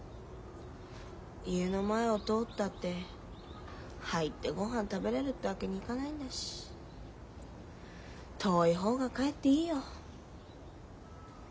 家の前を通ったって入ってごはん食べれるってわけにいかないんだし遠い方がかえっていいよ。